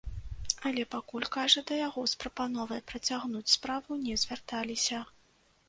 Але пакуль, кажа, да яго з прапановай працягнуць справу не звярталіся.